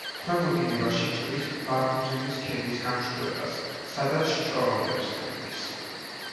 ქვემო დინებაში ჭრის ბარგუზინის ქედის განშტოებას, სადაც ჭორომებს ქმნის.